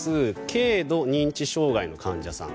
軽度認知障害の患者さん